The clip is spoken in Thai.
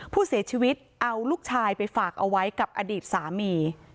ผู้เสียชีวิตเอาลูกชายไปฝากเอาไว้กับอดีตสามี